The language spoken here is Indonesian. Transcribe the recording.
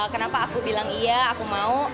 kenapa aku bilang iya aku mau